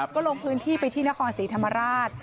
ก็ลงพื้นที่ไปที่นครศรีธรรมราช